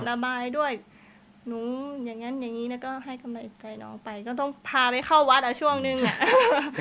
ระบายด้วยหนูอย่างนั้นอย่างนี้แล้วก็ให้กำลังใจน้องไปก็ต้องพาไปเข้าวัดอ่ะช่วงนึงแหละ